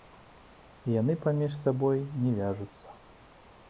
І яны паміж сабой не вяжуцца.